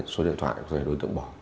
số điện thoại của đối tượng bỏ